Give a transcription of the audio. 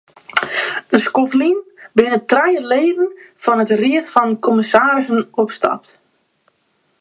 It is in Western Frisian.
In skoft lyn binne trije leden fan de ried fan kommissarissen opstapt.